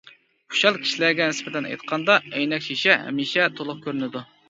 خۇشال كىشىلەرگە نىسبەتەن ئېيتقاندا، ئەينەك شېشە ھەمىشە تولۇق كۆرۈنىدۇ.